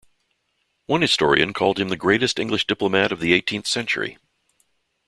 One historian called him the greatest English diplomat of the eighteenth century.